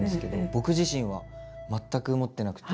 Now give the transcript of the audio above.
僕自身は全く持ってなくて。